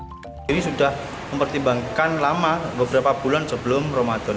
keputusan yang saya lakukan adalah mempertimbangkan lama beberapa bulan sebelum ramadan